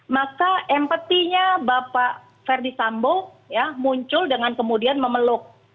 maka empatinya pak ferdisambo ya muncul dengan kemudian memeluk